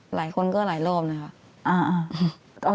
หลายคนก็หลายรอบนะคะ